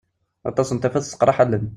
Aṭas n tafat tesseqṛaḥ allen.